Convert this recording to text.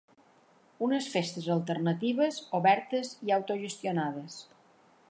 Unes festes alternatives, obertes i autogestionades.